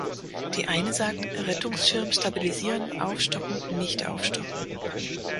Die eine sagt "Rettungsschirm stabilisieren, aufstocken, nicht aufstocken".